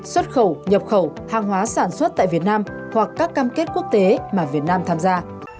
xuất khẩu nhập khẩu hàng hóa sản xuất tại việt nam hoặc các cam kết quốc tế mà việt nam tham gia